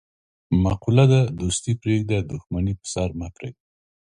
مقوله ده: دوستي پرېږده، دښمني په سر مه پرېږده.